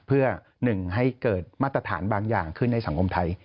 เพื่อหนึ่งให้เกิดมาตรฐานบางอย่างขึ้นในสังคมไทย